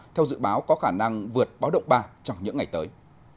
theo dự báo có khả năng vượt báo động ba trong những ngày tới